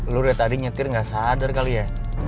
lo udah tadi nyetir gak sadar kali ya